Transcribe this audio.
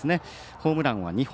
ホームランは２本。